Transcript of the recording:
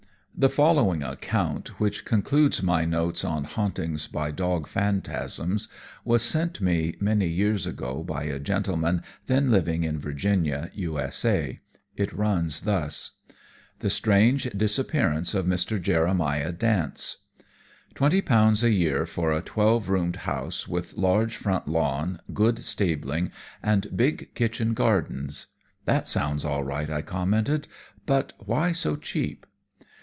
The following account, which concludes my notes on hauntings by dog phantasms, was sent me many years ago by a gentleman then living in Virginia, U.S.A. It runs thus: The Strange Disappearance of Mr. Jeremiah Dance "Twenty pounds a year for a twelve roomed house with large front lawn, good stabling and big kitchen gardens. That sounds all right," I commented. "But why so cheap?"